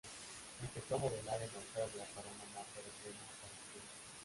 Empezó a modelar en Australia para una marca de crema para estrías.